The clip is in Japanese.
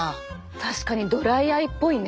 確かにドライアイっぽいね。